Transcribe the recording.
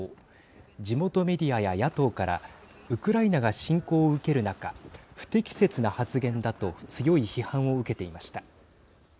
地元メディアや野党からウクライナが侵攻を受ける中不適切な発言だと強い批判を受けていました。